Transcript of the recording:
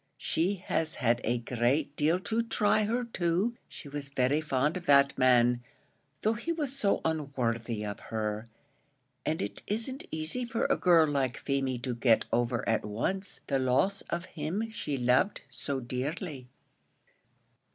She has had a great deal to try her too; she was very fond of that man, though he was so unworthy of her; and it isn't easy for a girl like Feemy to get over at once the loss of him she loved so dearly."